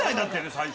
最初。